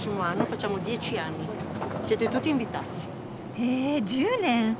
へえ１０年。